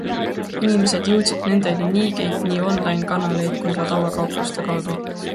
Inimesed jõudsid nendeni niigi nii online-kanaleid kui ka tavakaupluste kaudu.